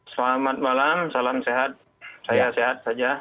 selamat malam salam sehat saya sehat saja